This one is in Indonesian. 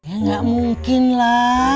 enggak mungkin lah